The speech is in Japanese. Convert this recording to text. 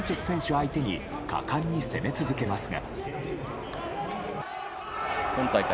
相手に果敢に攻め続けますが。